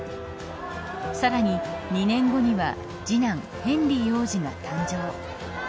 さらに２年後には次男ヘンリー王子が誕生。